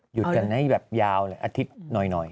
หยุดกันให้แบบยาวเลยอาทิตย์หน่อย